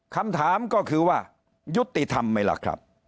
คำถามก็คือว่ายุติธรรมไหมล่ะครับ